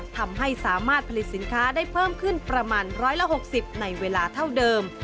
ทำให้สามารถผลิตสินค้าได้เพิ่มขึ้นประมาณ๑๖๐ในเวลาเท่าเดิม